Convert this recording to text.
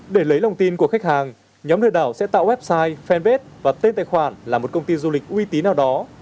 để lấy lòng tin của khách hàng nhóm lừa đảo sẽ tạo website fanpage và tên tài khoản là một công ty du lịch uy tín nào đó